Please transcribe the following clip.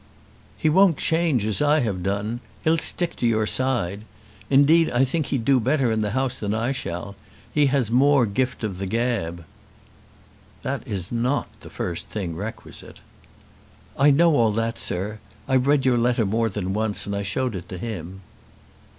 "He won't change as I have done. He'll stick to your side. Indeed I think he'd do better in the House than I shall. He has more gift of the gab." "That is not the first thing requisite." "I know all that, sir. I've read your letter more than once, and I showed it to him."